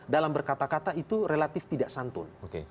dalam berkata kata itu relatif tidak santun